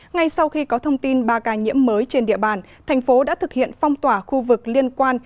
ngay sau khi có thông tin ba ca nhiễm mới trên địa bàn thành phố đã thực hiện phong tỏa khu vực liên quan